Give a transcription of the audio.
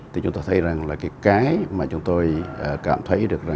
thì chúng ta thấy rằng là cái hiệp hội doanh nghiệp thành phố hồ chí minh này